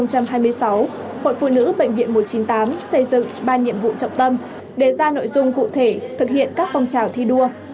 hội phụ nữ bệnh viện một trăm chín mươi tám xây dựng ba nhiệm vụ trọng tâm để ra nội dung cụ thể thực hiện các phong trào thi đua